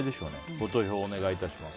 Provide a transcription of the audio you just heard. ご投票お願いします。